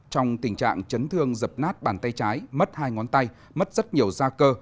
trong tình trạng chấn thương dập nát bàn tay trái mất hai ngón tay mất rất nhiều da cơ